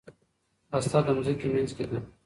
هسته د ځمکې منځ کې ده.